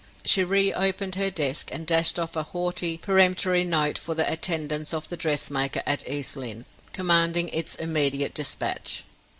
She reopened her desk and dashed off a haughty, peremptory note for the attendance of the dressmaker at East Lynne, commanding its immediate dispatch.